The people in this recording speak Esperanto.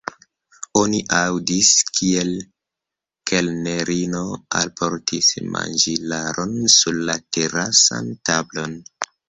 Oni aŭdis, kiel kelnerino alportis manĝilaron sur la terasan tablon.